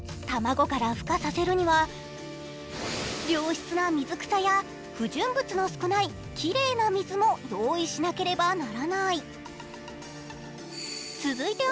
卵からふ化させるには良質な水草や不純物の少ないきれいな水も用意しなければならない。